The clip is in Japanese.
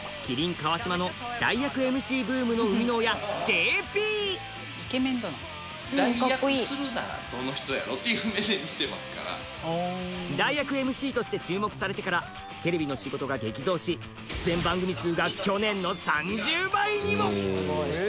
麒麟川島の代役ＭＣブームの生みの親ＪＰっていう目で見てますから代役ＭＣとして注目されてからテレビの仕事が激増し出演番組数が去年の３０倍にも！